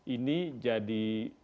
ini jadi delapan ribu